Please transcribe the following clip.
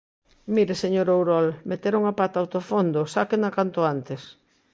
Mire, señor Ourol, meteron a pata ata o fondo, sáquena canto antes.